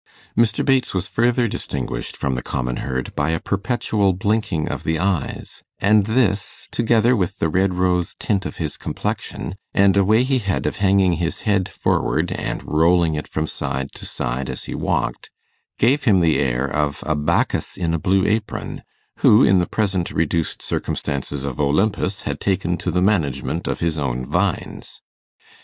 Mr. Bates was further distinguished from the common herd by a perpetual blinking of the eyes; and this, together with the red rose tint of his complexion, and a way he had of hanging his head forward, and rolling it from side to side as he walked, gave him the air of a Bacchus in a blue apron, who, in the present reduced circumstances of Olympus, had taken to the management of his own vines.